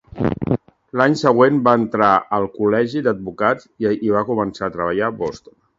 L'any següent va entrar al col·legi d'advocats i va començar a treballar a Boston.